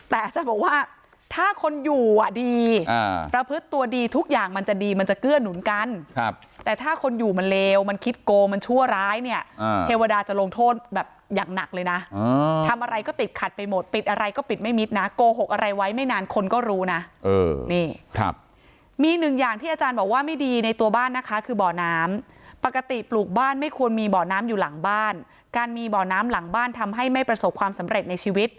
แต่จะบอกว่าถ้าคนอยู่ดีประพฤติตัวดีทุกอย่างมันจะดีมันจะเกื้อนหนุนกันแต่ถ้าคนอยู่มันเลวมันคิดโกมันชั่วร้ายเนี่ยเทวดาจะลงโทษแบบอย่างหนักเลยนะทำอะไรก็ติดขัดไปหมดปิดอะไรก็ปิดไม่มิดนะโกหกอะไรไว้ไม่นานคนก็รู้นะมี๑อย่างที่อาจารย์บอกว่าไม่ดีในตัวบ้านนะคะคือบ่อน้ำปกติปลูกบ้านไม่ควรมีบ่อน้